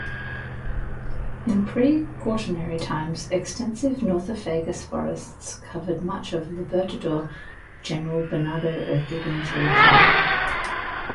In pre-Quaternary times extensive Nothofagus forests covered much of Libertador General Bernardo O'Higgins Region.